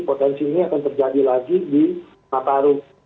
potensi ini akan terjadi lagi di natal dua ribu dua puluh dua